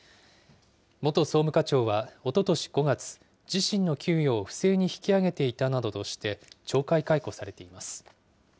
元総務課長はおととし５月、自身の給与を不正に引き上げていたなどとして、懲戒解雇されています。